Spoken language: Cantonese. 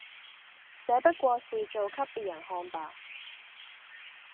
這不過是做給別人看吧！